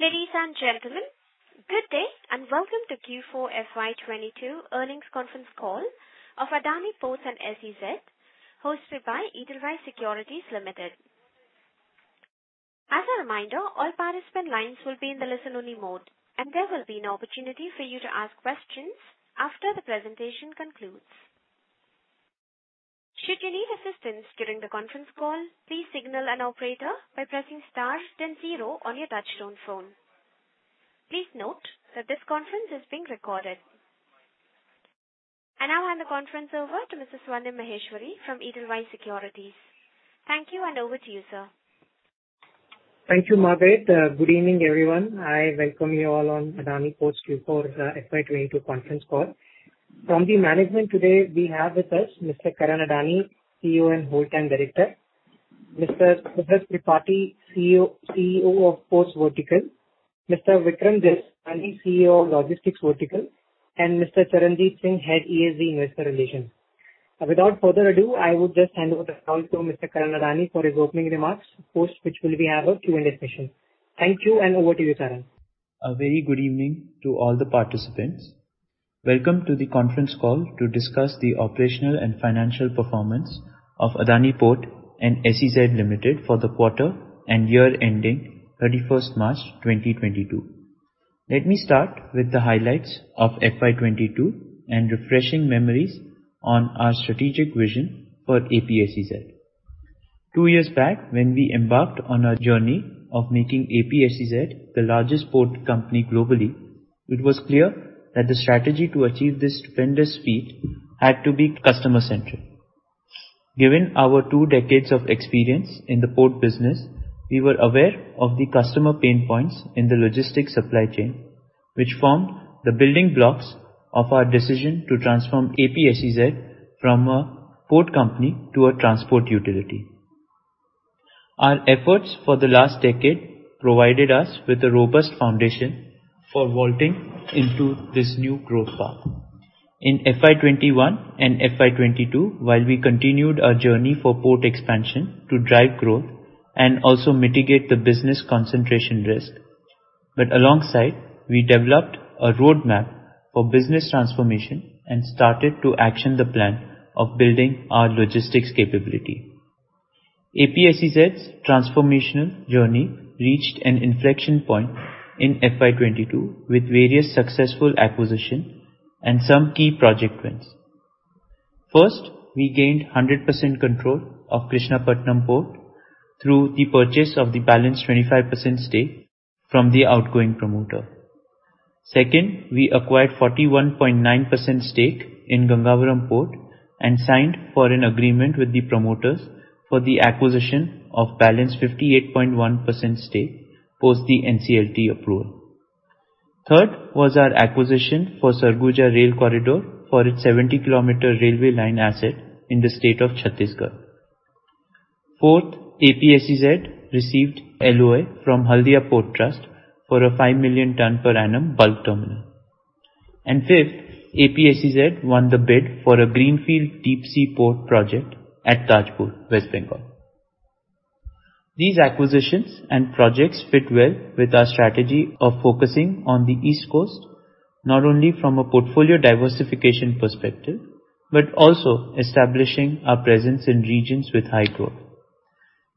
Ladies and gentlemen, good day, and welcome to Q4 FY22 earnings conference call of Adani Ports and SEZ hosted by Edelweiss Securities Limited. As a reminder, all participant lines will be in the listen only mode, and there will be an opportunity for you to ask questions after the presentation concludes. Should you need assistance during the conference call, please signal an operator by pressing star then zero on your touchtone phone. Please note that this conference is being recorded. I now hand the conference over to Mr. Swarnim Maheshwari from Edelweiss Securities. Thank you and over to you, sir. Thank you, Margaret. Good evening, everyone. I welcome you all on Adani Ports Q4 FY 2022 conference call. From the management today, we have with us Mr. Karan Adani, CEO and Whole Time Director, Mr. Subrat Tripathy, CEO of Ports Vertical, Mr. Vikram Jaisinghani, CEO of Logistics Vertical, and Mr. Charanjit Singh, Head ESG & Investor Relations. Without further ado, I would just hand over the call to Mr. Karan Adani for his opening remarks, of course, which will be our Q&A session. Thank you and over to you, Karan. A very good evening to all the participants. Welcome to the conference call to discuss the operational and financial performance of Adani Ports andSEZ Limited for the quarter and year ending 31 March 2022. Let me start with the highlights of FY 2022 and refreshing memories on our strategic vision for APSEZ. Two years back, when we embarked on a journey of making APSEZ the largest port company globally, it was clear that the strategy to achieve this tremendous feat had to be customer centric. Given our two decades of experience in the port business, we were aware of the customer pain points in the logistics supply chain, which formed the building blocks of our decision to transform APSEZ from a port company to a transport utility. Our efforts for the last decade provided us with a robust foundation for vaulting into this new growth path. In FY 2021 and FY 2022, while we continued our journey for port expansion to drive growth and also mitigate the business concentration risk, but alongside, we developed a roadmap for business transformation and started to action the plan of building our logistics capability. APSEZ's transformational journey reached an inflection point in FY 2022 with various successful acquisitions and some key project wins. First, we gained 100% control of Krishnapatnam Port through the purchase of the balance 25% stake from the outgoing promoter. Second, we acquired 41.9% stake in Gangavaram Port and signed an agreement with the promoters for the acquisition of balance 58.1% stake post the NCLT approval. Third was our acquisition of Sarguja Rail Corridor for its 70-kilometer railway line asset in the state of Chhattisgarh. Fourth, APSEZ received LOI from Haldia Port Trust for a 5 million tons per annum bulk terminal. Fifth, APSEZ won the bid for a greenfield deep sea port project at Tajpur, West Bengal. These acquisitions and projects fit well with our strategy of focusing on the East Coast, not only from a portfolio diversification perspective, but also establishing our presence in regions with high growth.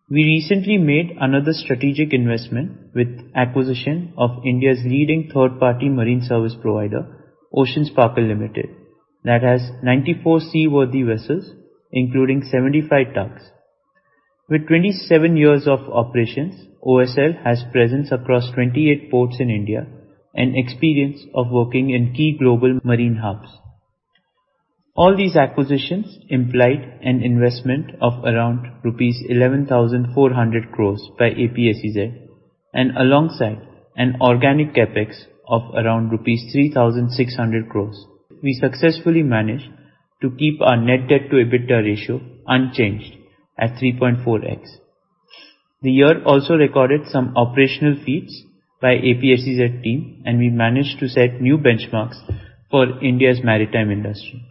We recently made another strategic investment with acquisition of India's leading third-party marine service provider, Ocean Sparkle Ltd., that has 94 seaworthy vessels, including 75 tugs. With 27 years of operations, OSL has presence across 28 ports in India and experience of working in key global marine hubs. All these acquisitions implied an investment of around rupees 11,400 crores by APSEZ and alongside an organic CapEx of around rupees 3,600 crores. We successfully managed to keep our net debt to EBITDA ratio unchanged at 3.4x. The year also recorded some operational feats by APSEZ team, and we managed to set new benchmarks for India's maritime industry.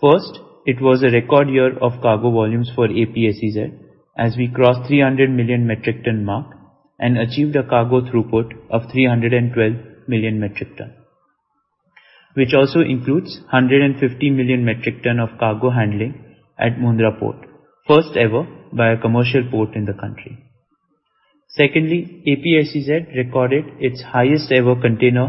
First, it was a record year of cargo volumes for APSEZ as we crossed 300 million metric ton mark and achieved a cargo throughput of 312 million metric ton, which also includes 150 million metric ton of cargo handling at Mundra Port, first ever by a commercial port in the country. Secondly, APSEZ recorded its highest ever container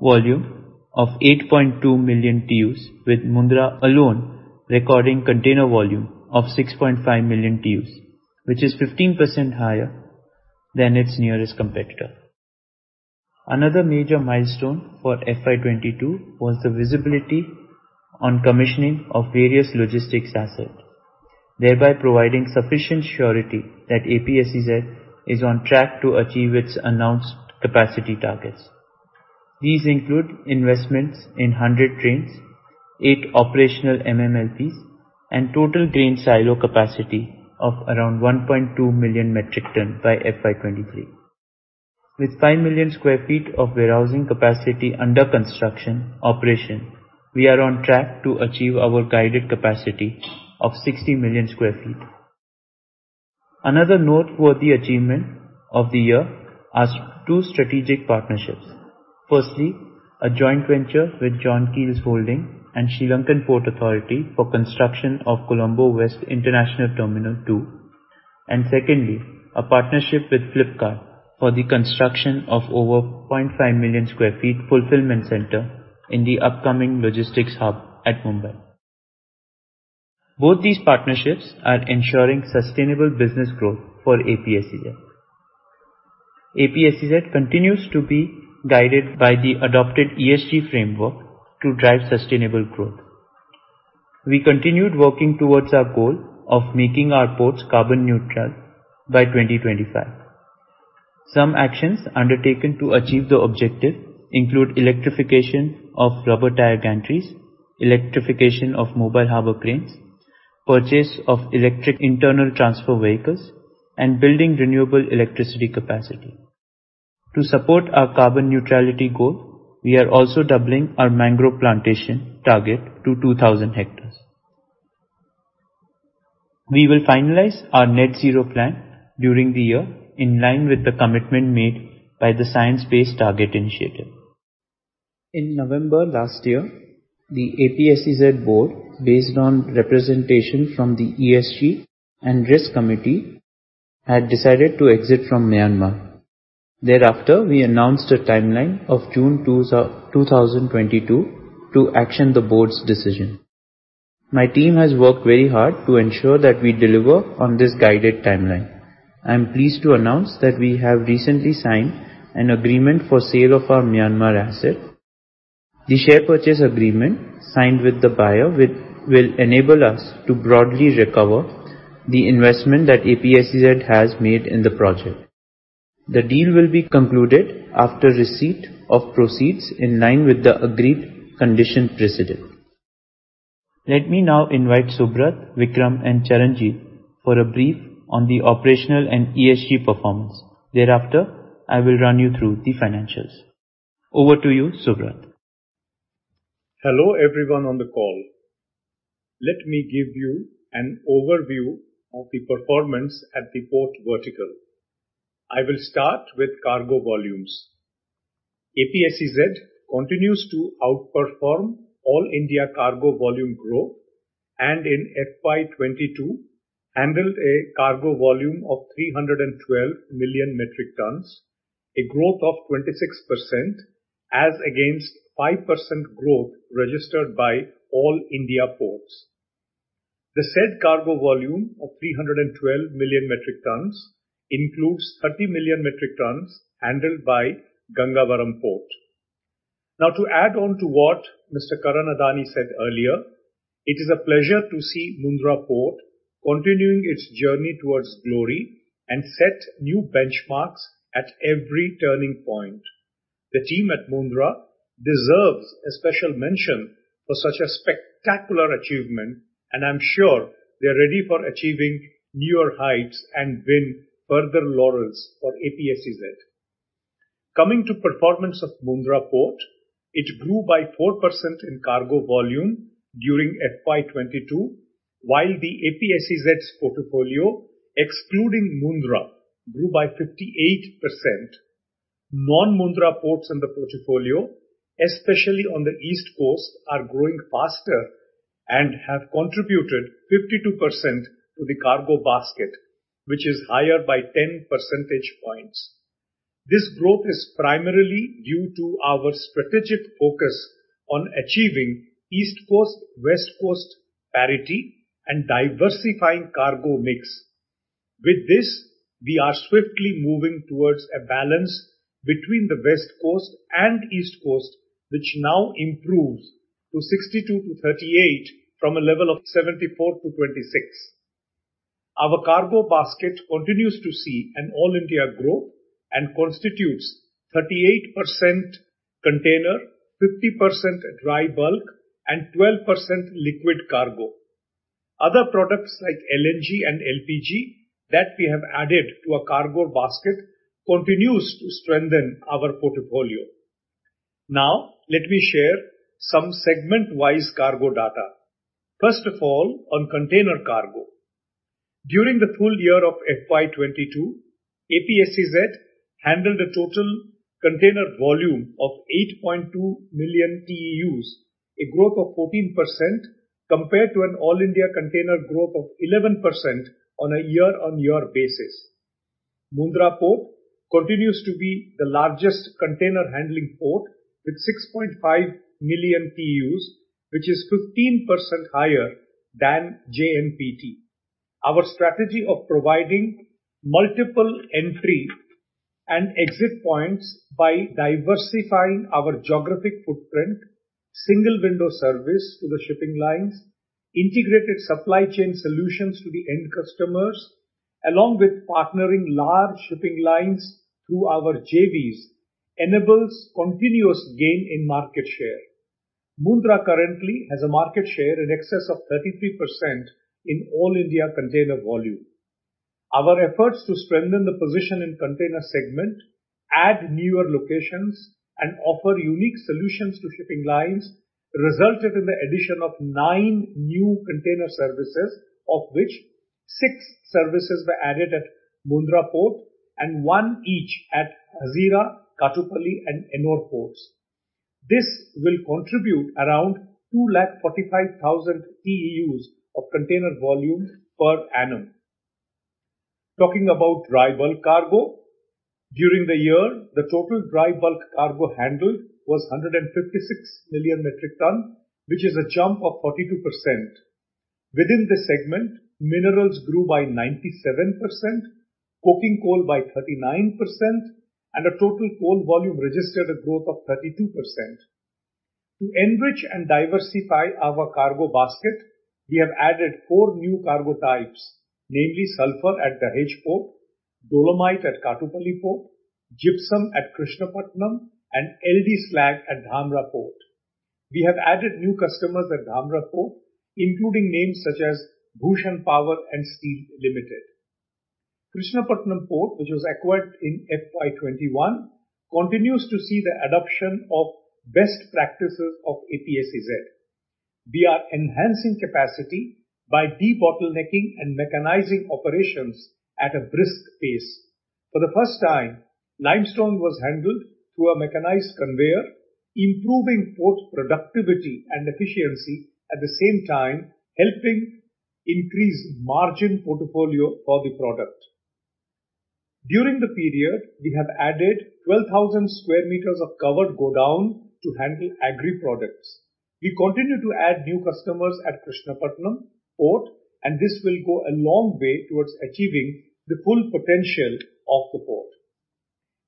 volume of 8.2 million TEUs, with Mundra alone recording container volume of 6.5 million TEUs, which is 15% higher than its nearest competitor. Another major milestone for FY 2022 was the visibility on commissioning of various logistics assets, thereby providing sufficient surety that APSEZ is on track to achieve its announced capacity targets. These include investments in 100 trains, 8 operational MMLPs, and total grain silo capacity of around 1.2 million metric tons by FY 2023. With 5 million sq ft of warehousing capacity under construction operation, we are on track to achieve our guided capacity of 60 million sq ft. Another noteworthy achievement of the year are two strategic partnerships. Firstly, a joint venture with John Keells Holdings and Sri Lanka Ports Authority for construction of Colombo West International Terminal 2, and secondly, a partnership with Flipkart for the construction of over 0.5 million sq ft fulfillment center in the upcoming logistics hub at Mumbai. Both these partnerships are ensuring sustainable business growth for APSEZ. APSEZ continues to be guided by the adopted ESG framework to drive sustainable growth. We continued working towards our goal of making our ports carbon neutral by 2025. Some actions undertaken to achieve the objective include electrification of rubber-tired gantries, electrification of mobile harbor cranes, purchase of electric internal transfer vehicles, and building renewable electricity capacity. To support our carbon neutrality goal, we are also doubling our mangrove plantation target to 2,000 hectares. We will finalize our net zero plan during the year in line with the commitment made by the Science Based Targets initiative. In November last year, the APSEZ board, based on representation from the ESG and Risk Committee, had decided to exit from Myanmar. Thereafter, we announced a timeline of June 2022 to action the board's decision. My team has worked very hard to ensure that we deliver on this guided timeline. I am pleased to announce that we have recently signed an agreement for sale of our Myanmar asset. The share purchase agreement signed with the buyer will enable us to broadly recover the investment that APSEZ has made in the project. The deal will be concluded after receipt of proceeds in line with the agreed condition precedent. Let me now invite Subrat, Vikram, and Charanjit for a brief on the operational and ESG performance. Thereafter, I will run you through the financials. Over to you, Subrat. Hello, everyone on the call. Let me give you an overview of the performance at the port vertical. I will start with cargo volumes. APSEZ continues to outperform all India cargo volume growth, and in FY 2022 handled a cargo volume of 312 million metric tons, a growth of 26% as against 5% growth registered by all India ports. The said cargo volume of 312 million metric tons includes 30 million metric tons handled by Gangavaram Port. Now, to add on to what Mr. Karan Adani said earlier, it is a pleasure to see Mundra Port continuing its journey towards glory and set new benchmarks at every turning point. The team at Mundra deserves a special mention for such a spectacular achievement, and I'm sure they're ready for achieving newer heights and win further laurels for APSEZ. Coming to performance of Mundra Port, it grew by 4% in cargo volume during FY 2022, while the APSEZ portfolio, excluding Mundra, grew by 58%. Non-Mundra ports in the portfolio, especially on the East Coast, are growing faster and have contributed 52% to the cargo basket, which is higher by 10 percentage points. This growth is primarily due to our strategic focus on achieving East Coast-West Coast parity and diversifying cargo mix. With this, we are swiftly moving towards a balance between the West Coast and East Coast, which now improves to 62-38 from a level of 74-26. Our cargo basket continues to see an all-India growth and constitutes 38% container, 50% dry bulk, and 12% liquid cargo. Other products like LNG and LPG that we have added to our cargo basket continues to strengthen our portfolio. Now, let me share some segment-wise cargo data. First of all, on container cargo. During the full year of FY 2022, APSEZ handled a total container volume of 8.2 million TEUs, a growth of 14% compared to an all-India container growth of 11% on a year-over-year basis. Mundra Port continues to be the largest container handling port with 6.5 million TEUs, which is 15% higher than JNPT. Our strategy of providing multiple entry and exit points by diversifying our geographic footprint, single window service to the shipping lines, integrated supply chain solutions to the end customers, along with partnering large shipping lines through our JVs, enables continuous gain in market share. Mundra currently has a market share in excess of 33% in all India container volume. Our efforts to strengthen the position in container segment, add newer locations, and offer unique solutions to shipping lines resulted in the addition of 9 new container services, of which 6 services were added at Mundra Port and 1 each at Hazira, Katupalli, and Ennore ports. This will contribute around 245,000 TEUs of container volume per annum. Talking about dry bulk cargo, during the year, the total dry bulk cargo handled was 156 million metric tons, which is a jump of 42%. Within this segment, minerals grew by 97%, coking coal by 39%, and a total coal volume registered a growth of 32%. To enrich and diversify our cargo basket, we have added four new cargo types, namely sulfur at Dahej Port, dolomite at Katupalli Port, gypsum at Krishnapatnam, and LD Slag at Dhamra Port. We have added new customers at Dhamra Port, including names such as Bhushan Power & Steel Limited. Krishnapatnam Port, which was acquired in FY 2021, continues to see the adoption of best practices of APSEZ. We are enhancing capacity by debottlenecking and mechanizing operations at a brisk pace. For the first time, limestone was handled through a mechanized conveyor, improving port productivity and efficiency, at the same time helping increase margin portfolio for the product. During the period, we have added 12,000 sq m of covered godown to handle agri products. We continue to add new customers at Krishnapatnam Port, and this will go a long way towards achieving the full potential of the port.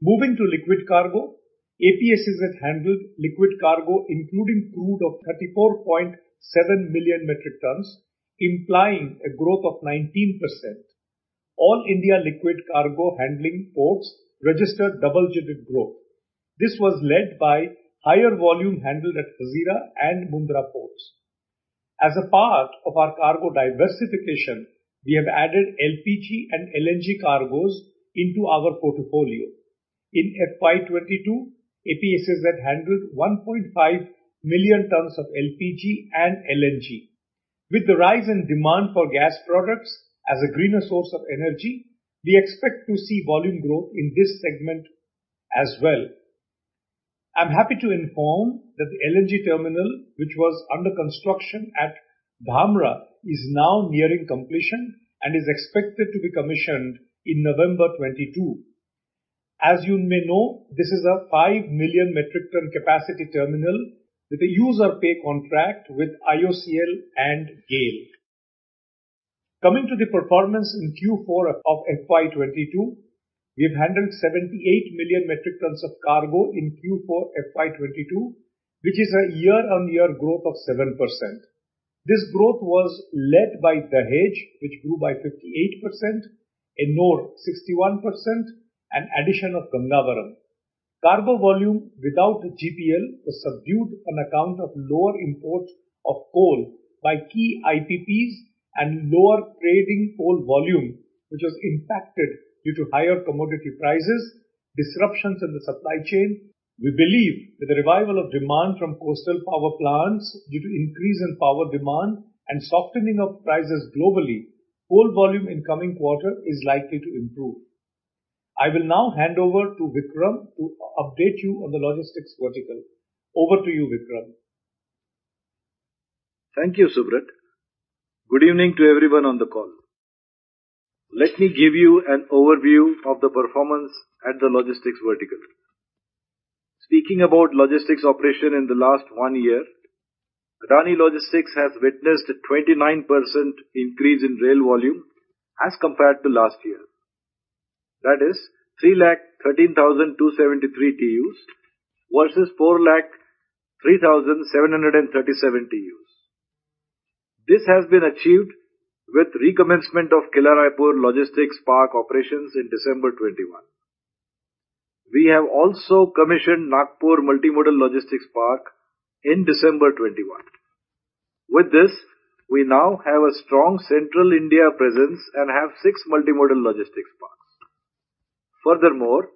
Moving to liquid cargo, APSEZ handled liquid cargo, including crude of 34.7 million metric tons, implying a growth of 19%. All India liquid cargo handling ports registered double-digit growth. This was led by higher volume handled at Hazira and Mundra ports. As a part of our cargo diversification, we have added LPG and LNG cargos into our portfolio. In FY 2022, APSEZ handled 1.5 million tons of LPG and LNG. With the rise in demand for gas products as a greener source of energy, we expect to see volume growth in this segment as well. I'm happy to inform that the LNG terminal which was under construction at Dhamra is now nearing completion and is expected to be commissioned in November 2022. As you may know, this is a 5 million metric ton capacity terminal with a user pay contract with IOCL and GAIL. Coming to the performance in Q4 of FY 2022, we have handled 78 million metric tons of cargo in Q4 FY 2022, which is a year-on-year growth of 7%. This growth was led by Dahej, which grew by 58%, Ennore 61%, and addition of Gangavaram. Cargo volume without GPL was subdued on account of lower import of coal by key IPPs and lower trading coal volume, which was impacted due to higher commodity prices, disruptions in the supply chain. We believe with the revival of demand from coastal power plants due to increase in power demand and softening of prices globally, coal volume in coming quarter is likely to improve. I will now hand over to Vikram to update you on the logistics vertical. Over to you, Vikram. Thank you, Subrat. Good evening to everyone on the call. Let me give you an overview of the performance at the logistics vertical. Speaking about logistics operation in the last one year, Adani Logistics has witnessed a 29% increase in rail volume as compared to last year. That is 3,13,273 TEUs versus 4,03,737 TEUs. This has been achieved with recommencement of Kila Raipur Logistics Park operations in December 2021. We have also commissioned Nagpur Multi-Modal Logistics Park in December 2021. With this, we now have a strong central India presence and have six multi-modal logistics parks. Furthermore,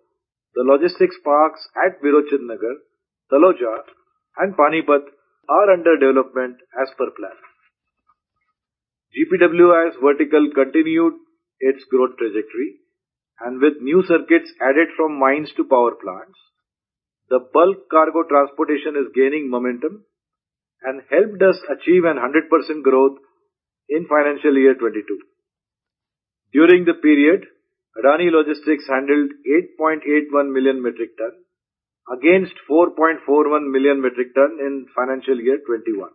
the logistics parks at Virochannagar, Taloja, and Panipat are under development as per plan. GPWIS vertical continued its growth trajectory, with new circuits added from mines to power plants. The bulk cargo transportation is gaining momentum and helped us achieve 100% growth in financial year 2022. During the period, Adani Logistics handled 8.81 million metric tons against 4.41 million metric tons in financial year 2021.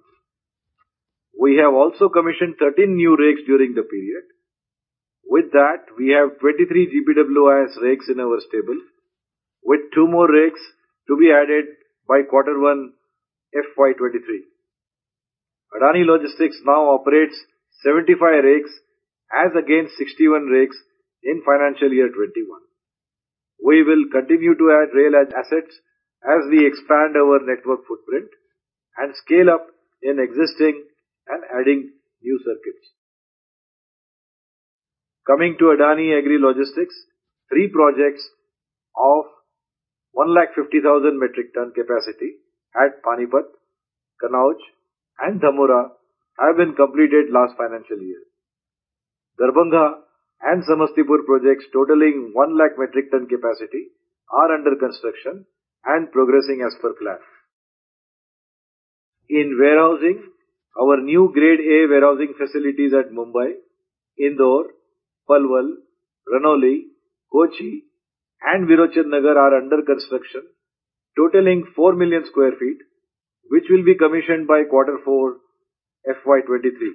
We have also commissioned 13 new rakes during the period. With that, we have 23 GPWIS rakes in our stable, with 2 more rakes to be added by Q1 FY23. Adani Logistics now operates 75 rakes as against 61 rakes in financial year 2021. We will continue to add rail assets as we expand our network footprint and scale up in existing and adding new circuits. Coming to Adani Agri Logistics, three projects of 1 lakh 50,000 metric ton capacity at Panipat, Kannauj, and Dhamra have been completed last financial year. Darbhanga and Samastipur projects totaling 1 lakh metric ton capacity are under construction and progressing as per plan. In warehousing, our new grade A warehousing facilities at Mumbai, Indore, Palwal, Ranoli, Kochi, and Virochannagar are under construction, totaling 4 million sq ft, which will be commissioned by quarter 4 FY 2023.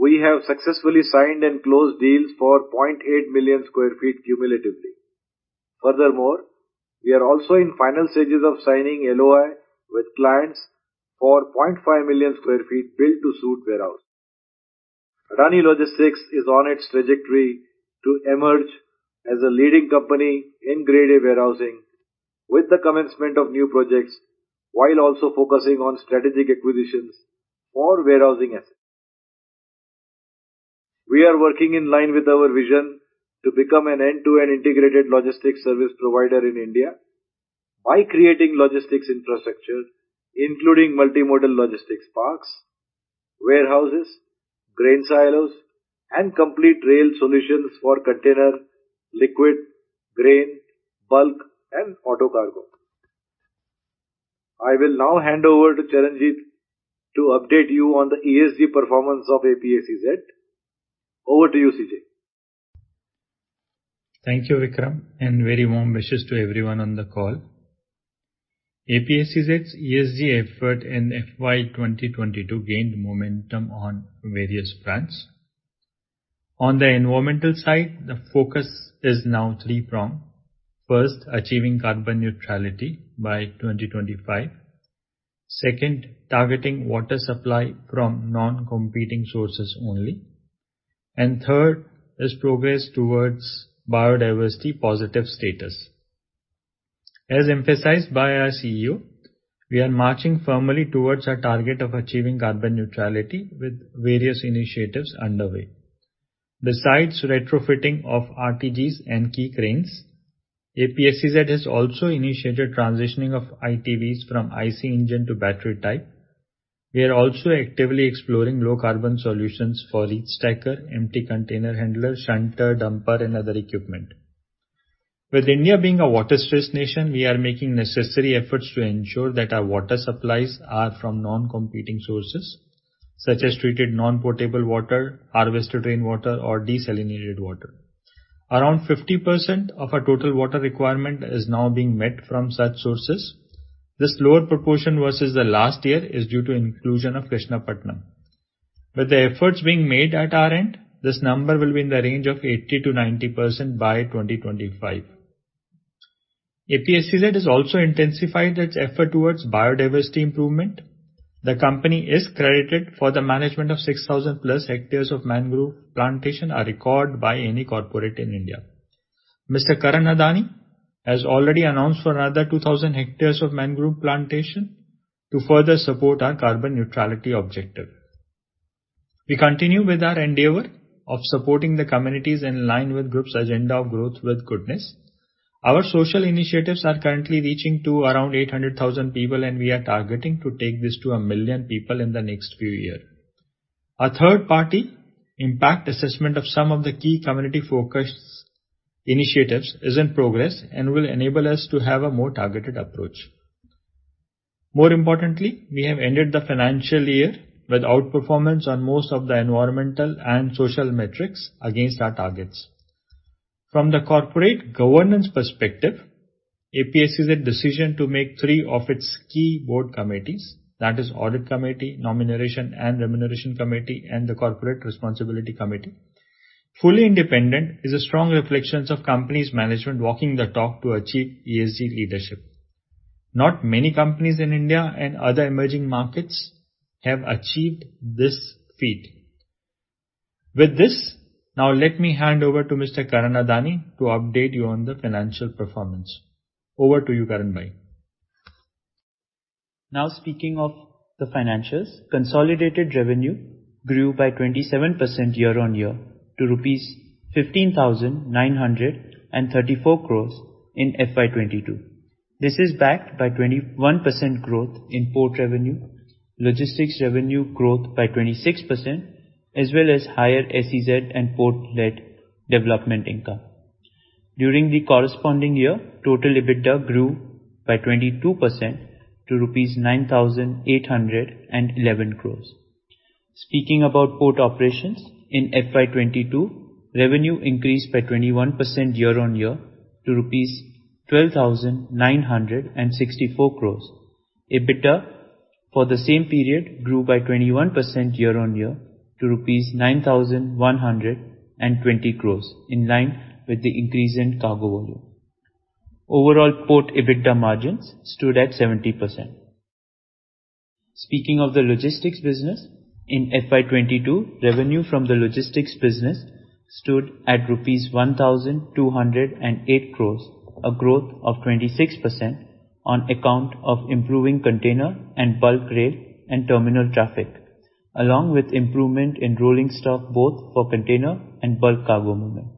We have successfully signed and closed deals for 0.8 million sq ft cumulatively. Furthermore, we are also in final stages of signing LOI with clients for 0.5 million sq ft built to suit warehouse. Adani Logistics is on its trajectory to emerge as a leading company in grade A warehousing with the commencement of new projects, while also focusing on strategic acquisitions for warehousing assets. We are working in line with our vision to become an end-to-end integrated logistics service provider in India by creating logistics infrastructure, including multimodal logistics parks, warehouses, grain silos, and complete rail solutions for container, liquid, grain, bulk, and auto cargo. I will now hand over to Charanjit to update you on the ESG performance of APSEZ. Over to you, CJ. Thank you, Vikram, and very warm wishes to everyone on the call. APSEZ's ESG effort in FY 2022 gained momentum on various fronts. On the environmental side, the focus is now three-pronged. First, achieving carbon neutrality by 2025. Second, targeting water supply from non-competing sources only. Third is progress towards biodiversity positive status. As emphasized by our CEO, we are marching firmly towards our target of achieving carbon neutrality with various initiatives underway. Besides retrofitting of RTGs and key cranes, APSEZ has also initiated transitioning of ITVs from IC engine to battery type. We are also actively exploring low carbon solutions for each stacker, empty container handler, shunter, dumper, and other equipment. With India being a water stressed nation, we are making necessary efforts to ensure that our water supplies are from non-competing sources, such as treated non-potable water, harvested rainwater, or desalinated water. Around 50% of our total water requirement is now being met from such sources. This lower proportion versus the last year is due to inclusion of Krishnapatnam. With the efforts being made at our end, this number will be in the range of 80%-90% by 2025. APSEZ has also intensified its effort towards biodiversity improvement. The company is credited for the management of 6,000+ hectares of mangrove plantation, a record by any corporate in India. Mr. Karan Adani has already announced for another 2,000 hectares of mangrove plantation to further support our carbon neutrality objective. We continue with our endeavor of supporting the communities in line with group's agenda of growth with goodness. Our social initiatives are currently reaching to around 800,000 people, and we are targeting to take this to 1 million people in the next few year. A third-party impact assessment of some of the key community focused initiatives is in progress and will enable us to have a more targeted approach. More importantly, we have ended the financial year with outperformance on most of the environmental and social metrics against our targets. From the corporate governance perspective, APSEZ's decision to make three of its key Board committees, that is Audit Committee, Nomination and Remuneration Committee, and the Corporate Responsibility Committee, fully independent is a strong reflection of company's management walking the talk to achieve ESG leadership. Not many companies in India and other emerging markets have achieved this feat. With this, now let me hand over to Mr. Karan Adani to update you on the financial performance. Over to you, Karan bhai. Now speaking of the financials, consolidated revenue grew by 27% year-on-year to rupees 15,934 crore in FY 2022. This is backed by 21% growth in port revenue, logistics revenue growth by 26%, as well as higher SEZ and port-led development income. During the corresponding year, total EBITDA grew by 22% to rupees 9,811 crore. Speaking about port operations, in FY 2022, revenue increased by 21% year-on-year to rupees 12,964 crore. EBITDA for the same period grew by 21% year-on-year to rupees 9,120 crore, in line with the increase in cargo volume. Overall port EBITDA margins stood at 70%. Speaking of the logistics business, in FY 2022, revenue from the logistics business stood at rupees 1,208 crores, a growth of 26% on account of improving container and bulk rail and terminal traffic, along with improvement in rolling stock, both for container and bulk cargo movement.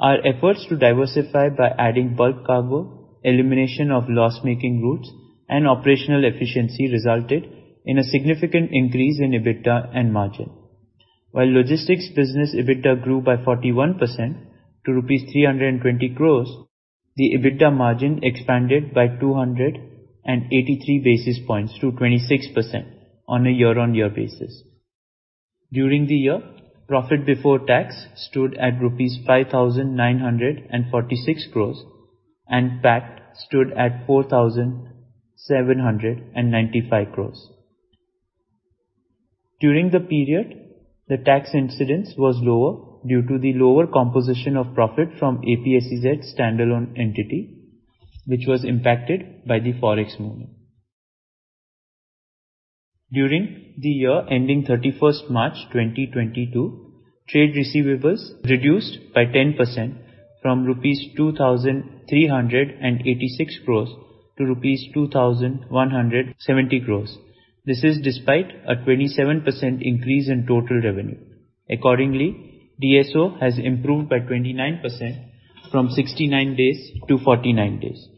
Our efforts to diversify by adding bulk cargo, elimination of loss-making routes, and operational efficiency resulted in a significant increase in EBITDA and margin. While logistics business EBITDA grew by 41% to rupees 320 crores, the EBITDA margin expanded by 283 basis points to 26% on a year-on-year basis. During the year, profit before tax stood at rupees 5,946 crores, and PAT stood at 4,795 crores. During the period, the tax incidence was lower due to the lower composition of profit from APSEZ standalone entity, which was impacted by the Forex movement. During the year ending March 31, 2022, trade receivables reduced by 10% from rupees 2,386 crores to rupees 2,170 crores. This is despite a 27% increase in total revenue. Accordingly, DSO has improved by 29% from 69 days to 49 days.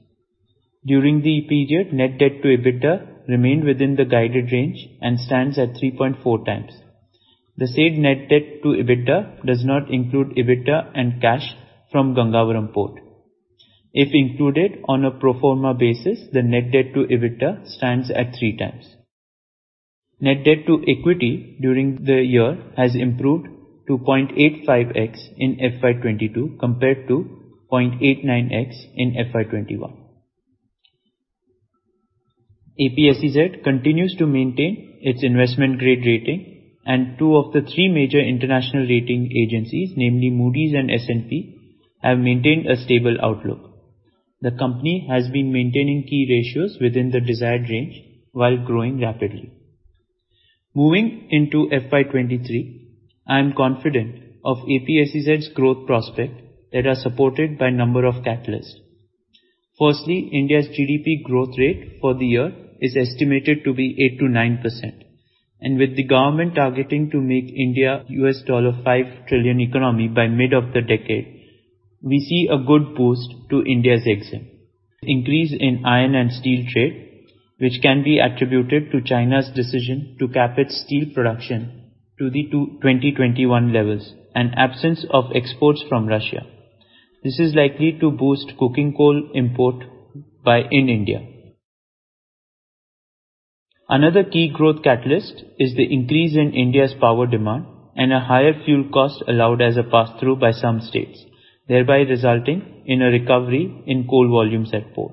During the period, net debt to EBITDA remained within the guided range and stands at 3.4 times. The said net debt to EBITDA does not include EBITDA and cash from Gangavaram Port. If included on a pro forma basis, the net debt to EBITDA stands at 3 times. Net debt to equity during the year has improved to 0.85x in FY22 compared to 0.89x in FY21. APSEZ continues to maintain its investment grade rating, and two of the three major international rating agencies, namely Moody's and S&P, have maintained a stable outlook. The company has been maintaining key ratios within the desired range while growing rapidly. Moving into FY23, I am confident of APSEZ's growth prospect that are supported by a number of catalysts. Firstly, India's GDP growth rate for the year is estimated to be 8%-9%, and with the government targeting to make India $5 trillion economy by mid of the decade, we see a good boost to India's exports. Increase in iron and steel trade, which can be attributed to China's decision to cap its steel production to the 2021 levels and absence of exports from Russia. This is likely to boost coking coal import by India. Another key growth catalyst is the increase in India's power demand and a higher fuel cost allowed as a pass-through by some states, thereby resulting in a recovery in coal volumes at port.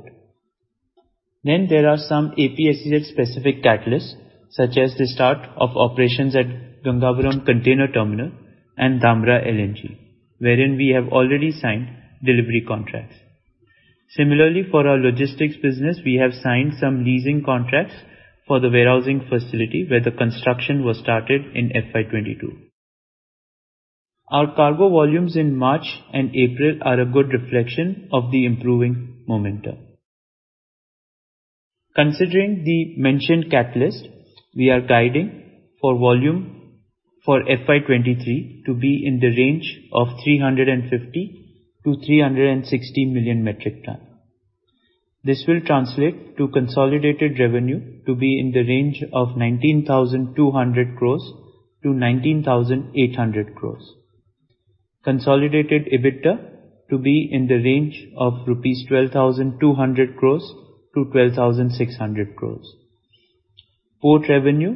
There are some APSEZ specific catalysts, such as the start of operations at Gangavaram Container Terminal and Dhamra LNG, wherein we have already signed delivery contracts. Similarly, for our logistics business, we have signed some leasing contracts for the warehousing facility where the construction was started in FY 2022. Our cargo volumes in March and April are a good reflection of the improving momentum. Considering the mentioned catalyst, we are guiding for volume for FY 2023 to be in the range of 350-360 million metric tons. This will translate to consolidated revenue to be in the range of 19,200-19,800 crores. Consolidated EBITDA to be in the range of 12,200-12,600 crores rupees. Port revenue,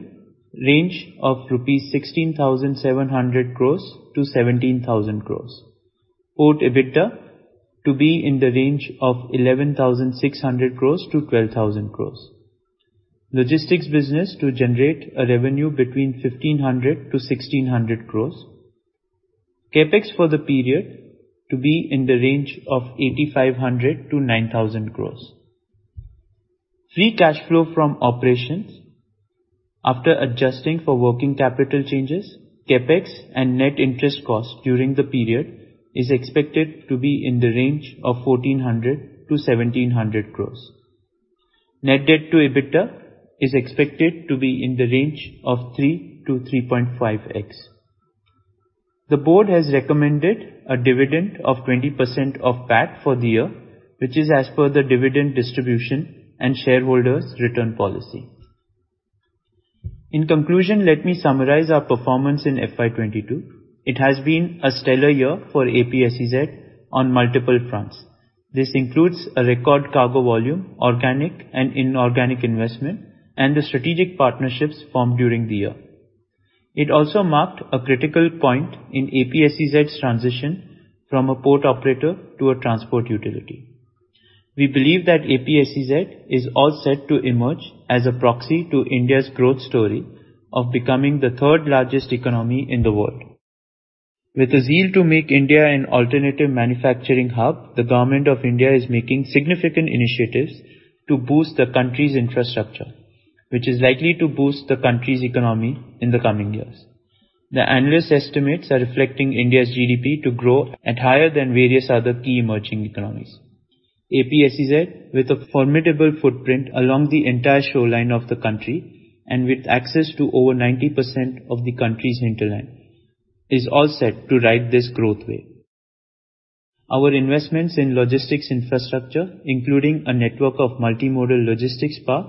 range of 16,700-17,000 crores rupees. Port EBITDA to be in the range of 11,600-12,000 crores. Logistics business to generate a revenue between 1,500-1,600 crores. CapEx for the period to be in the range of 8,500-9,000 crores. Free cash flow from operations after adjusting for working capital changes, CapEx, and net interest costs during the period is expected to be in the range of 1,400 crore-1,700 crore. Net debt to EBITDA is expected to be in the range of 3-3.5x. The board has recommended a dividend of 20% of PAT for the year, which is as per the dividend distribution and shareholders' return policy. In conclusion, let me summarize our performance in FY 2022. It has been a stellar year for APSEZ on multiple fronts. This includes a record cargo volume, organic and inorganic investment, and the strategic partnerships formed during the year. It also marked a critical point in APSEZ's transition from a port operator to a transport utility. We believe that APSEZ is all set to emerge as a proxy to India's growth story of becoming the third largest economy in the world. With a zeal to make India an alternative manufacturing hub, the government of India is making significant initiatives to boost the country's infrastructure, which is likely to boost the country's economy in the coming years. The analyst estimates are reflecting India's GDP to grow at higher than various other key emerging economies. APSEZ, with a formidable footprint along the entire shoreline of the country and with access to over 90% of the country's hinterland, is all set to ride this growth wave. Our investments in logistics infrastructure, including a network of multimodal logistics park,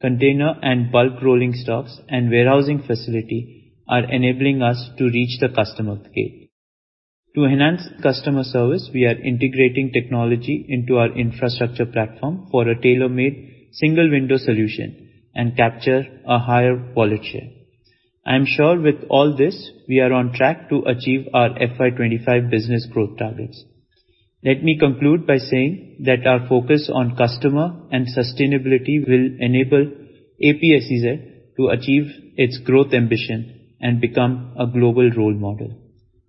container and bulk rolling stocks, and warehousing facility, are enabling us to reach the customer gate. To enhance customer service, we are integrating technology into our infrastructure platform for a tailor-made single window solution and capture a higher wallet share. I am sure with all this, we are on track to achieve our FY 25 business growth targets. Let me conclude by saying that our focus on customer and sustainability will enable APSEZ to achieve its growth ambition and become a global role model.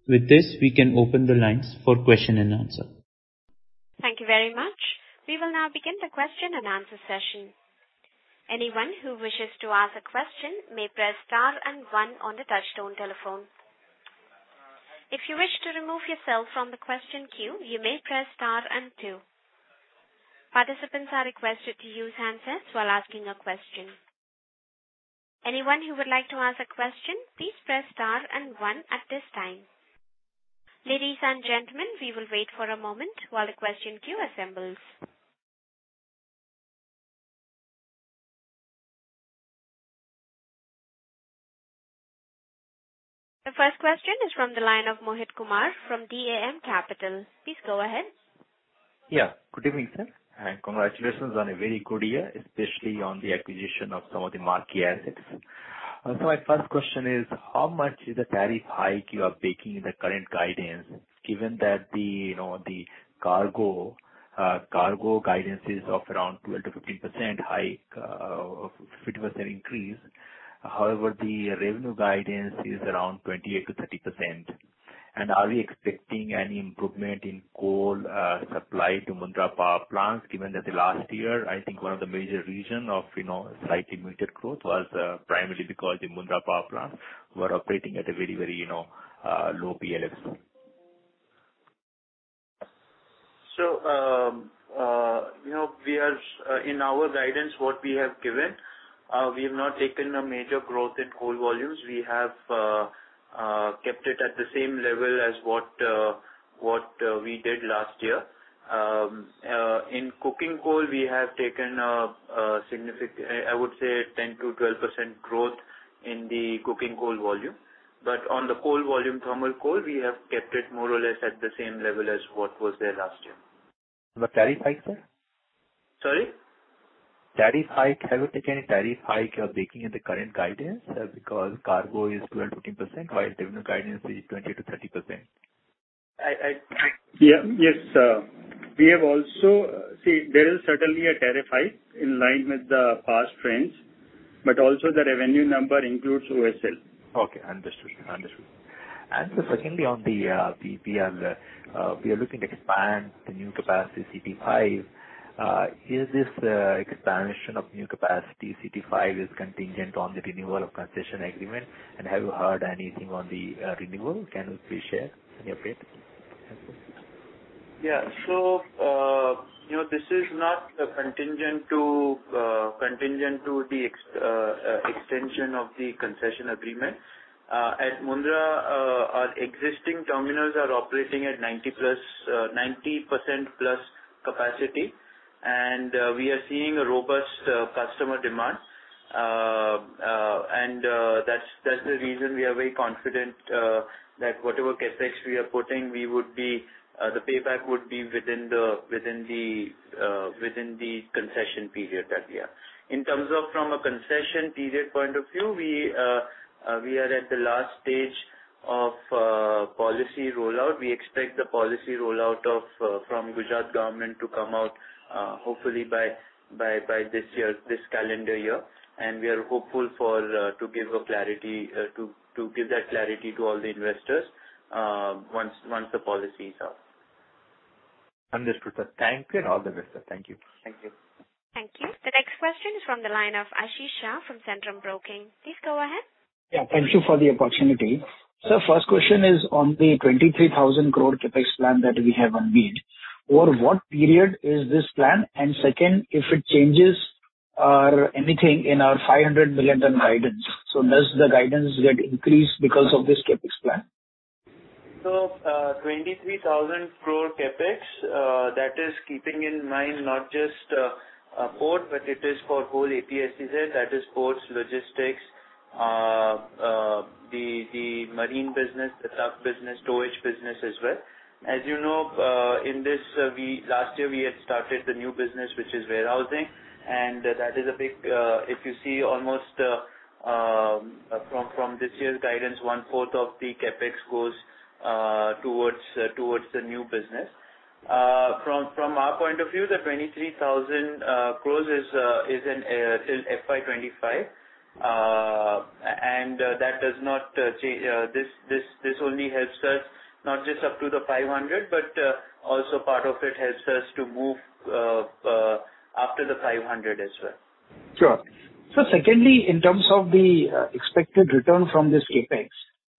With this, we can open the lines for question and answer. Thank you very much. We will now begin the question-and-answer session. Anyone who wishes to ask a question may press star and one on the touchtone telephone. If you wish to remove yourself from the question queue, you may press star and two. Participants are requested to use handsets while asking a question. Anyone who would like to ask a question, please press star and one at this time. Ladies and gentlemen, we will wait for a moment while the question queue assembles. The first question is from the line of Mohit Kumar from DAM Capital. Please go ahead. Yeah. Good evening, sir, and congratulations on a very good year, especially on the acquisition of some of the marquee assets. So my first question is how much is the tariff hike you are baking in the current guidance given that the, you know, the cargo guidance is of around 12%-15% hike, or 15% increase. However, the revenue guidance is around 28%-30%. Are we expecting any improvement in coal supply to Mundra power plants given that the last year, I think one of the major reason of, you know, slightly muted growth was primarily because the Mundra power plants were operating at a very low PLF. In our guidance, what we have given, we have not taken a major growth in coal volumes. We have kept it at the same level as what we did last year. In cooking coal we have taken a 10%-12% growth in the cooking coal volume. On the coal volume, thermal coal, we have kept it more or less at the same level as what was there last year. Tariff hike, sir? Sorry? Tariff hike. Have you taken a tariff hike you are baking in the current guidance, because cargo is 12%-15%, while terminal guidance is 20%-30%. Yes, we have also. See, there is certainly a tariff hike in line with the past trends, but also the revenue number includes OSL. Okay. Understood, sir. Understood. Secondly on the we are looking to expand the new capacity CT5, is this expansion of new capacity CT5 contingent on the renewal of concession agreement, and have you heard anything on the renewal? Can you please share any update? You know, this is not contingent to the extension of the concession agreement. At Mundra, our existing terminals are operating at 90% plus capacity and we are seeing a robust customer demand. That's the reason we are very confident that whatever CapEx we are putting, the payback would be within the concession period that we have. In terms of from a concession period point of view, we are at the last stage of policy rollout. We expect the policy rollout from Gujarat government to come out, hopefully by this year, this calendar year. We are hopeful for to give that clarity to all the investors once the policy is out. Understood, sir. Thank you and all the best, sir. Thank you. Thank you. Thank you. The next question is from the line of Ashish Shah from Centrum Broking. Please go ahead. Yeah. Thank you for the opportunity. Sir, first question is on the 23,000 crore CapEx plan that we have unmet. Over what period is this plan? Second, if it changes or anything in our 500 million ton guidance, so does the guidance get increased because of this CapEx plan? 23,000 crore CapEx, that is keeping in mind not just port, but it is for whole APSEZ, that is ports, logistics, the marine business, the truck business, storage business as well. As you know, in this, last year we had started the new business, which is warehousing, and that is a big, if you see almost, from this year's guidance, one-fourth of the CapEx goes towards the new business. From our point of view, the 23,000 crores is in till FY 2025. This only helps us not just up to the 500 but, also part of it helps us to move after the 500 as well. Sure. Secondly, in terms of the expected return from this CapEx,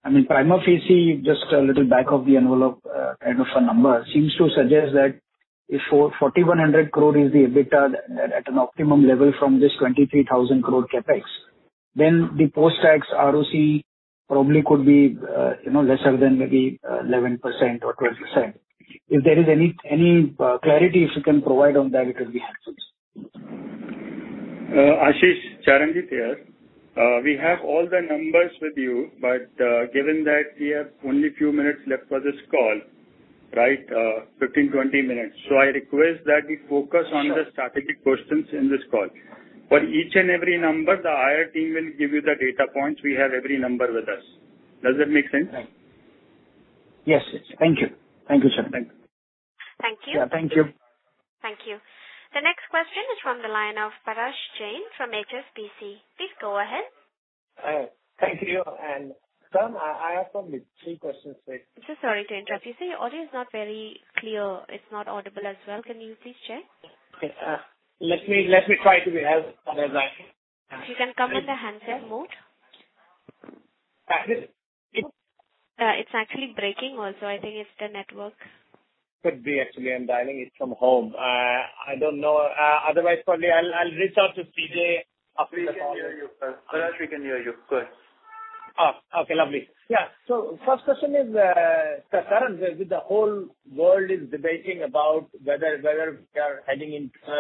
I mean, prima facie, just a little back-of-the-envelope kind of a number seems to suggest that if 4,100 crore is the EBITDA at an optimum level from this 23,000 crore CapEx, then the post-tax ROC probably could be, you know, lesser than maybe 11% or 12%. If there is any clarity you can provide on that, it'll be helpful. Ashish, Charanjit here. We have all the numbers with you, but given that we have only a few minutes left for this call, right, 15, 20 minutes, so I request that we focus on- Sure. The strategic questions in this call. For each and every number, the IR team will give you the data points. We have every number with us. Does that make sense? Yes. Thank you. Thank you, sir. Thank you. Thank you. Yeah, thank you. Thank you. The next question is from the line of Parash Jain from HSBC. Please go ahead. Thank you. Sam, I have probably three questions to ask. Sorry to interrupt. You see your audio is not very clear. It's not audible as well. Can you please check? Okay. Let me try to be heard whatever I can. If you can come in the handset mode. Handset? It's actually breaking also. I think it's the network. Could be. Actually, I'm dialing it from home. I don't know. Otherwise, probably I'll reach out to CJ after the call. We can hear you, Parash. Parash, we can hear you. Good. Okay. Lovely. Yeah. First question is, currently with the whole world debating about whether we are heading into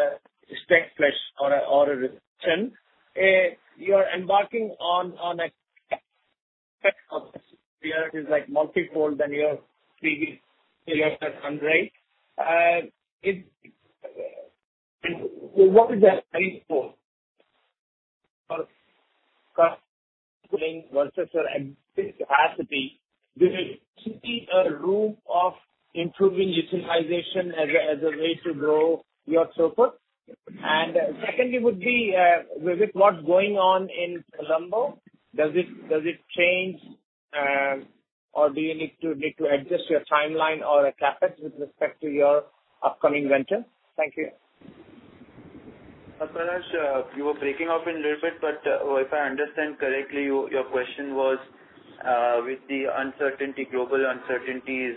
a stagflation or a recession, you are embarking on a like multi-fold than your previous hundred. What is that paying for versus your existing capacity? Will it simply a route of improving utilization as a way to grow your throughput? Secondly would be, with what's going on in Colombo, does it change or do you need to adjust your timeline or CapEx with respect to your upcoming venture? Thank you. Parash, you were breaking up a little bit, but, if I understand correctly, your question was, with the uncertainty, global uncertainty,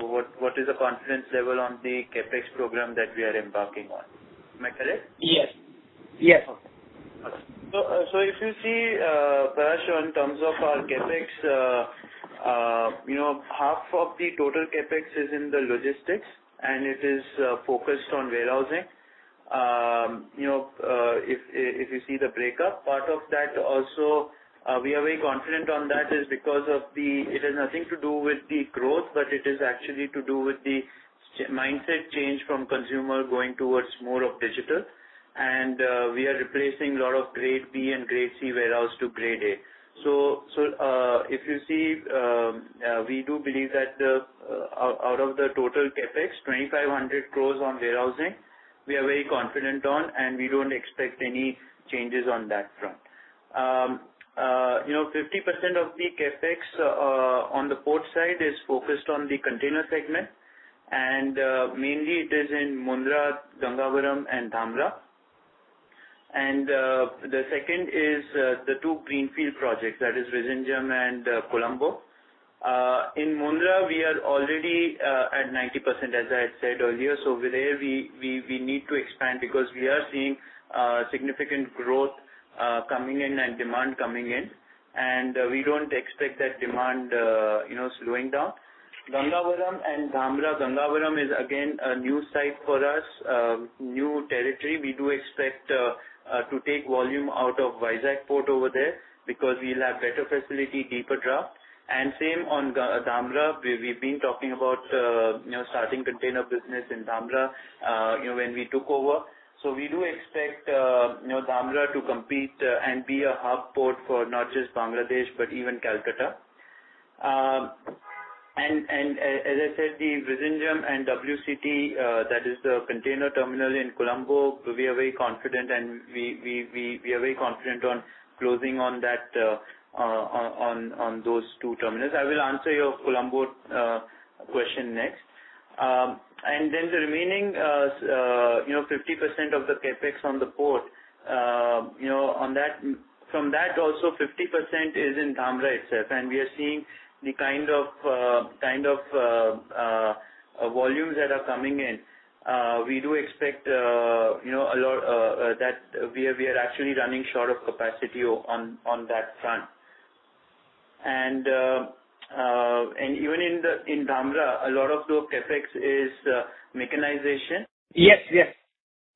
what is the confidence level on the CapEx program that we are embarking on? Am I correct? Yes. Yes. Okay. If you see, Parash, in terms of our CapEx, you know, half of the total CapEx is in the logistics, and it is focused on warehousing. You know, if you see the breakup, part of that also, we are very confident on, that is because it has nothing to do with the growth, but it is actually to do with the mindset change from consumer going towards more of digital. We are replacing a lot of Grade B and Grade C warehouse to Grade A. If you see, we do believe that, out of the total CapEx, 2,500 crores on warehousing, we are very confident on, and we don't expect any changes on that front. You know, 50% of the CapEx on the port side is focused on the container segment, and mainly it is in Mundra, Gangavaram and Dhamra. The second is the two greenfield projects, that is Vizhinjam and Colombo. In Mundra, we are already at 90%, as I said earlier. With that we need to expand because we are seeing significant growth coming in and demand coming in, and we don't expect that demand you know, slowing down. Gangavaram and Dhamra. Gangavaram is again a new site for us, new territory. We do expect to take volume out of Visakhapatnam Port over there because we'll have better facility, deeper draft. Same on Gangavaram and Dhamra. We've been talking about starting container business in Dhamra when we took over. We do expect Dhamra to compete and be a hub port for not just Bangladesh, but even Calcutta. As I said, the Vizhinjam and WCT, that is the container terminal in Colombo, we are very confident on closing on those two terminals. I will answer your Colombo question next. The remaining 50% of the CapEx on the port, from that also 50% is in Dhamra itself and we are seeing the kind of volumes that are coming in. We do expect, you know, a lot, that we are actually running short of capacity on that front. Even in Dhamra a lot of the CapEx is mechanization. Yes. Yes.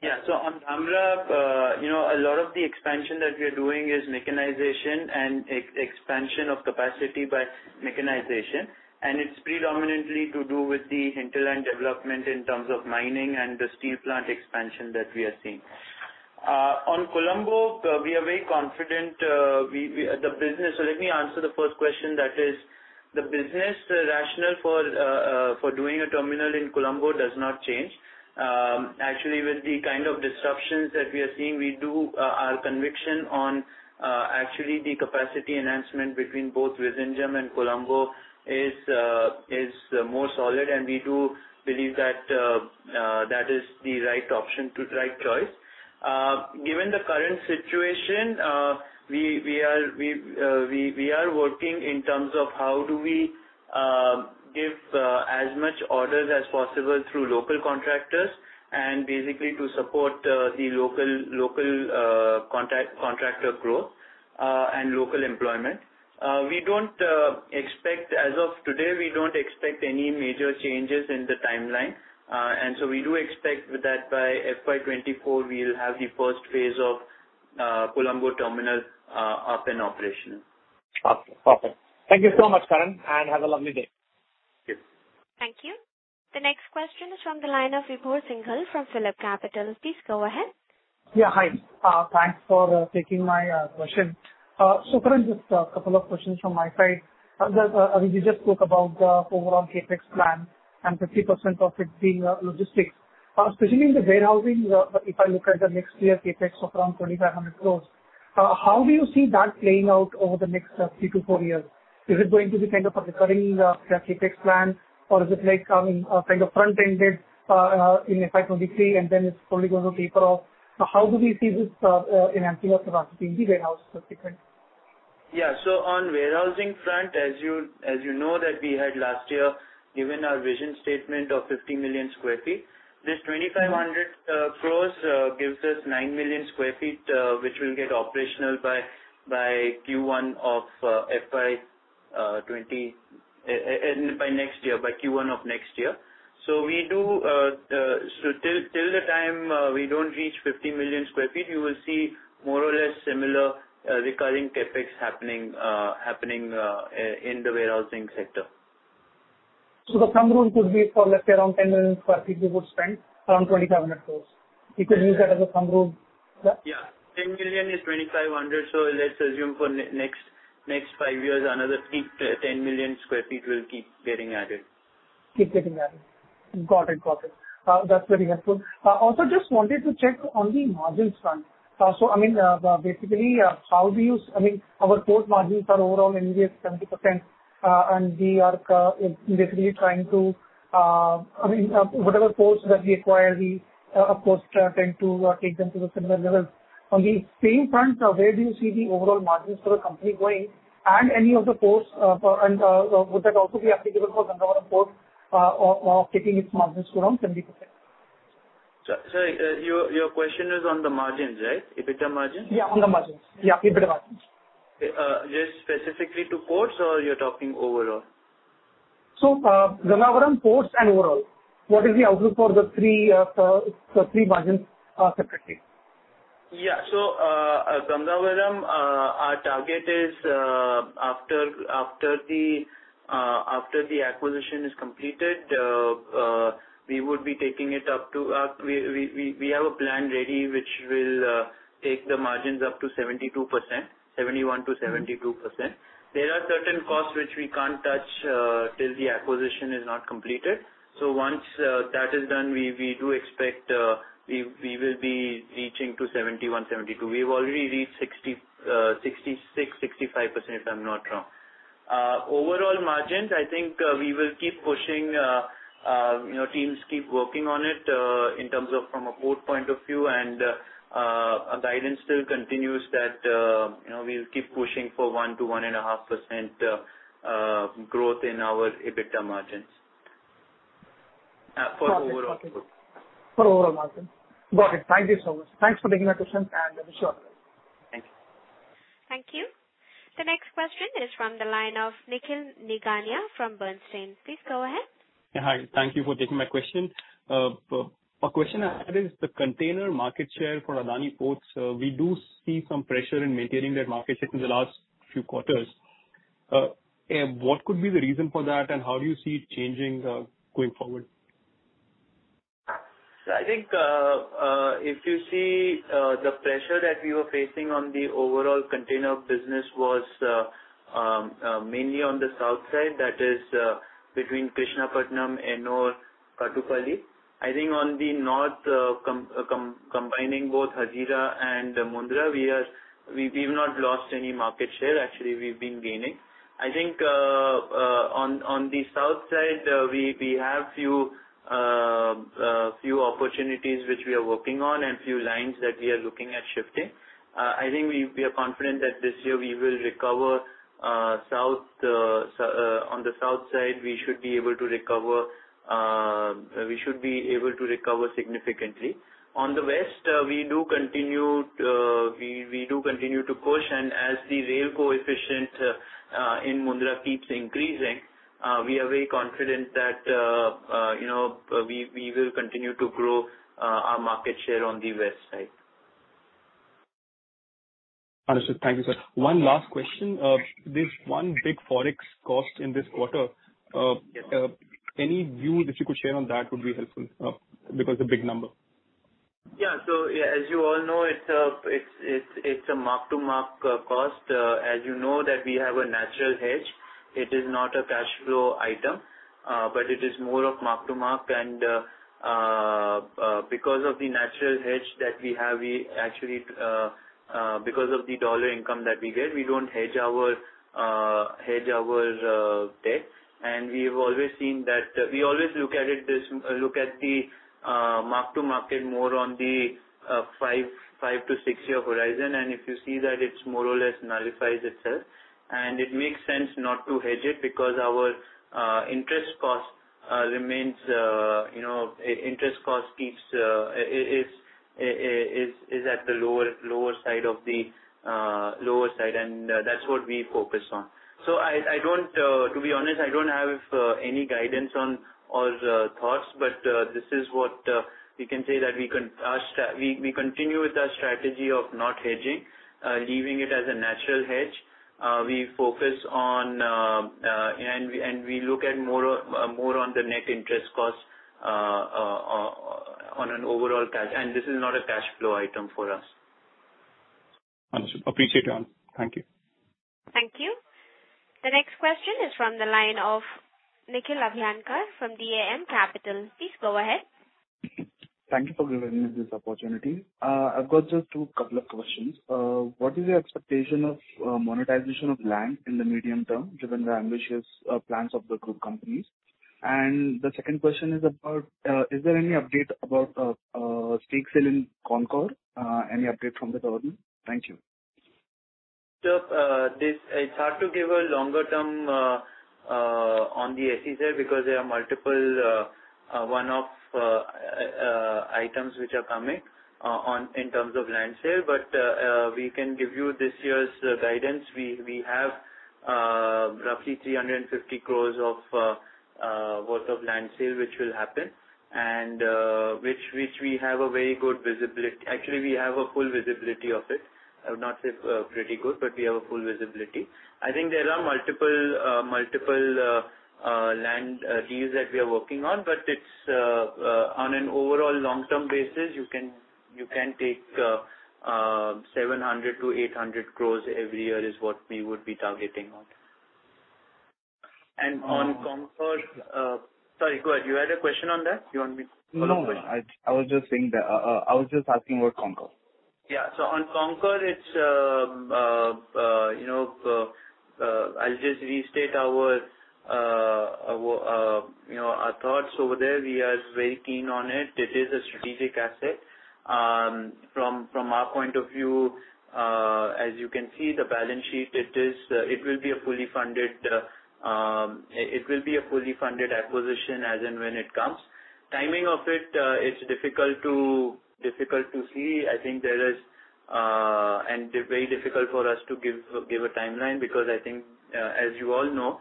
Yeah. On Dhamra, you know, a lot of the expansion that we are doing is mechanization and expansion of capacity by mechanization. It's predominantly to do with the hinterland development in terms of mining and the steel plant expansion that we are seeing. On Colombo, we are very confident. Let me answer the first question, that is, the business rationale for doing a terminal in Colombo does not change. Actually, with the kind of disruptions that we are seeing, our conviction on actually the capacity enhancement between both Vizag and Colombo is more solid, and we do believe that that is the right option to the right choice. Given the current situation, we are working in terms of how do we give as much orders as possible through local contractors and basically to support the local contractor growth and local employment. As of today, we don't expect any major changes in the timeline. We do expect that by FY 2024 we'll have the first phase of Colombo terminal up and operational. Okay. Perfect. Thank you so much, Karan, and have a lovely day. Thank you. Thank you. The next question is from the line of Vibhor Singhal from PhillipCapital. Please go ahead. Yeah, hi. Thanks for taking my question. So Karan, just a couple of questions from my side. I mean, you just spoke about the overall CapEx plan and 50% of it being logistics. Especially in the warehousing, if I look at the next year CapEx of around 2,500 crores, how do you see that playing out over the next 3-4 years? Is it going to be kind of a recurring CapEx plan or is it like kind of front-ended in effect of the three and then it slowly goes on taper off? How do we see this enhancing of capacity in the warehouse specifically? On warehousing front, as you know that we had last year given our vision statement of 50 million sq ft. This 2,500 crores gives us 9 million sq ft, which will get operational by Q1 of FY 2025 and by next year, by Q1 of next year. Till the time we don't reach 50 million sq ft, you will see more or less similar recurring CapEx happening in the warehousing sector. The thumb rule could be for, let's say, around 10 million sq ft you would spend around 2,500 crores. You could use that as a thumb rule. Yeah. Yeah. 10 million is 2,500, so let's assume for next 5 years another 3-10 million sq ft will keep getting added. Keep getting added. Got it. That's very helpful. Also just wanted to check on the margins front. I mean, basically, our port margins are overall in India 70%, and we are basically trying to, I mean, whatever ports that we acquire, we, of course, tend to take them to the similar levels. On the same front, where do you see the overall margins for the company going and any of the ports. Would that also be applicable for Gangavaram Port of keeping its margins around 70%? Your question is on the margins, right? EBITDA margins? Yeah, on the margins. Yeah, EBITDA margins. Okay. Just specifically to ports or you're talking overall? Gangavaram Port and overall. What is the outlook for the three margins separately? Yeah. Gangavaram, our target is after the acquisition is completed, we would be taking it up to, we have a plan ready which will take the margins up to 72%, 71%-72%. There are certain costs which we can't touch till the acquisition is not completed. Once that is done, we do expect we will be reaching to 71-72. We've already reached 65%-66% if I'm not wrong. Overall margins I think, we will keep pushing, you know, teams keep working on it, in terms of from a port point of view and, our guidance still continues that, you know, we'll keep pushing for 1%-1.5% growth in our EBITDA margins, for overall ports. For overall margins. Got it. Thank you so much. Thanks for taking my questions and have a short day. Thank you. Thank you. The next question is from the line of Nikhil Nigania from Bernstein. Please go ahead. Yeah, hi. Thank you for taking my question. My question is the container market share for Adani Ports. We do see some pressure in maintaining that market share through the last few quarters. What could be the reason for that and how do you see it changing, going forward? I think if you see the pressure that we were facing on the overall container business was mainly on the south side that is between Krishnapatnam and/or Kakinada. I think on the north combining both Hazira and Mundra we are. We've not lost any market share. Actually we've been gaining. I think on the south side we have few opportunities which we are working on and few lines that we are looking at shifting. I think we are confident that this year we will recover south so on the south side we should be able to recover we should be able to recover significantly. On the west, we do continue to push and as the rail connectivity in Mundra keeps increasing, we are very confident that, you know, we will continue to grow our market share on the west side. Understood. Thank you, sir. One last question. This one big Forex cost in this quarter, any view that you could share on that would be helpful, because it's a big number. Yeah, as you all know, it's a mark-to-market cost. As you know that we have a natural hedge. It is not a cash flow item, but it is more of mark-to-market and because of the natural hedge that we have, we actually because of the dollar income that we get, we don't hedge our debt. We've always seen that we always look at it as the mark-to-market more on the 5-6-year horizon. If you see that it's more or less nullifies itself. It makes sense not to hedge it because our interest cost remains, you know, is at the lower side of the lower side, and that's what we focus on. To be honest, I don't have any guidance on or thoughts, but this is what we can say. We continue with our strategy of not hedging, leaving it as a natural hedge. We focus on and we look at more on the net interest cost on an overall cash. This is not a cash flow item for us. Understood. Appreciate your answer. Thank you. Thank you. The next question is from the line of Nikhil Abhyankar from DAM Capital. Please go ahead. Thank you for giving me this opportunity. I've got just a couple of questions. What is your expectation of monetization of land in the medium term, given the ambitious plans of the group companies? The second question is there any update about stake sale in NQXT, any update from the government? Thank you. Look, it's hard to give a longer term on the SEZ because there are multiple one-off items which are coming on in terms of land sale. We can give you this year's guidance. We have roughly 350 crores worth of land sale, which will happen and which we have a very good visibility. Actually, we have a full visibility of it. I would not say pretty good, but we have a full visibility. I think there are multiple land deals that we are working on, but it's on an overall long-term basis, you can take 700-800 crores every year is what we would be targeting on. On NQXT. Sorry, go ahead. You had a question on that? You want me to follow up? No, I was just saying that, I was just asking about NQXT. Yeah. On NQXT, it's you know I'll just restate our you know our thoughts over there. We are very keen on it. It is a strategic asset. From our point of view, as you can see, the balance sheet, it will be a fully funded acquisition as and when it comes. Timing of it is difficult to see. I think it is very difficult for us to give a timeline because I think, as you all know,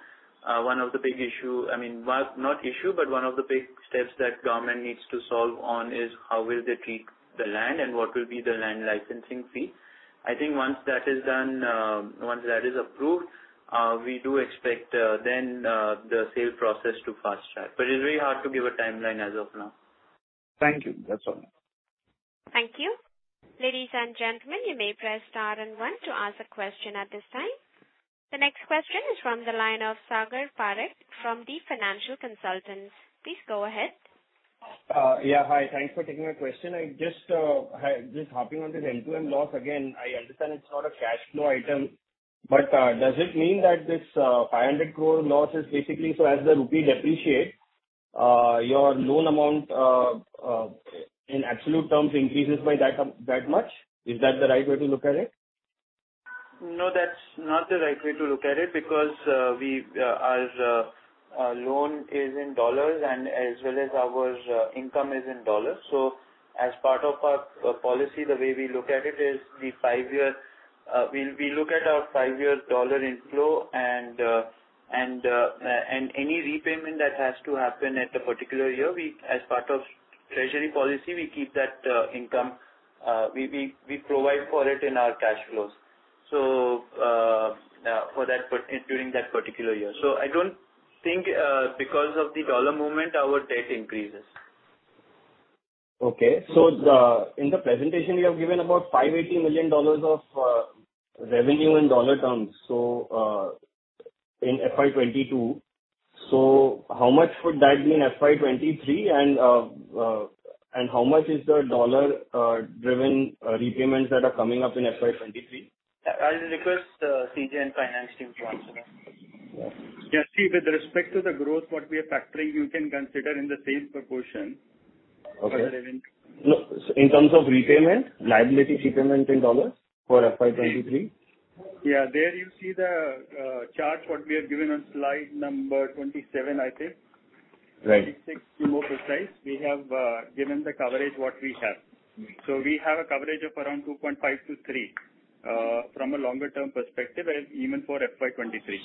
one of the big issue, I mean, well, not issue, but one of the big steps that government needs to solve on is how will they treat the land and what will be the land licensing fee. I think once that is approved, we do expect then the sale process to fast-track. But it's very hard to give a timeline as of now. Thank you. That's all. Thank you. Ladies and gentlemen, you may press star and one to ask a question at this time. The next question is from the line of Sagar Parekh from Financial Consultants Group. Please go ahead. Yeah, hi. Thanks for taking my question. I just harping on this MTM loss again. I understand it's not a cash flow item, but does it mean that this 500 crore loss is basically so as the rupee depreciates, your loan amount in absolute terms increases by that much? Is that the right way to look at it? No, that's not the right way to look at it because our loan is in dollars and as well as our income is in dollars. As part of our policy, the way we look at it is we look at our five-year dollar inflow and any repayment that has to happen at a particular year, we as part of treasury policy keep that income, we provide for it in our cash flows for that part during that particular year. I don't think, because of the dollar movement, our debt increases. Okay. In the presentation, you have given about $580 million of revenue in dollar terms in FY 2022. How much would that be in FY 2023 and how much is the dollar driven repayments that are coming up in FY 2023? I'll request CJ and finance team to answer that. Yeah. Yes. See, with respect to the growth, what we are factoring, you can consider in the same proportion. Okay. For the revenue. No. In terms of repayment, liability repayment in dollars for FY 2023. Yeah. There you see the charts what we have given on slide number 27, I think. Right. 26 to be more precise. We have, given the coverage that we have. We have a coverage of around 2.5-3 from a longer-term perspective, even for FY 2023.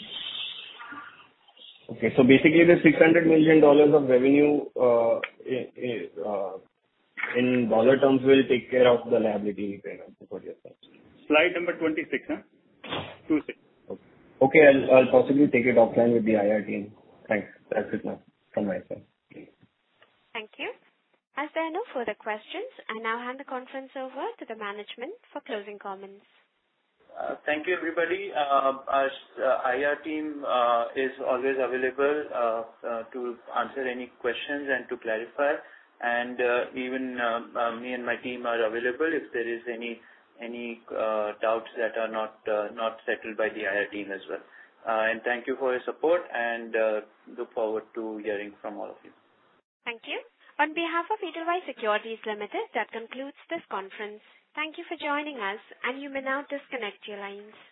Okay. Basically, the $600 million of revenue in dollar terms will take care of the liability repayment for this year. Slide number 26. Okay. I'll possibly take it offline with the IR team. Thanks. That's it now from my side. Thank you. As there are no further questions, I now hand the conference over to the management for closing comments. Thank you, everybody. Our IR team is always available to answer any questions and to clarify. Even me and my team are available if there is any doubts that are not settled by the IR team as well. Thank you for your support and look forward to hearing from all of you. Thank you. On behalf of Edelweiss Securities Limited, that concludes this conference. Thank you for joining us, and you may now disconnect your lines.